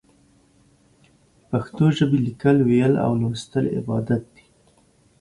د پښتو ژبې ليکل، ويل او ولوستل عبادت دی.